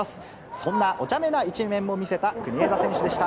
そんなおちゃめな一面も見せた国枝選手でした。